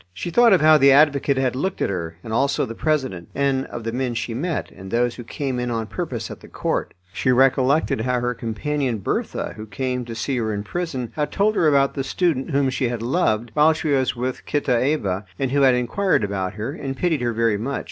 She thought of how the advocate had looked at her, and also the president, and of the men she met, and those who came in on purpose at the court. She recollected how her companion, Bertha, who came to see her in prison, had told her about the student whom she had "loved" while she was with Kitaeva, and who had inquired about her, and pitied her very much.